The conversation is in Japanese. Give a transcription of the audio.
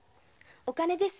お金です。